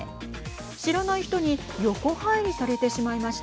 知らない人に横入りされてしまいました。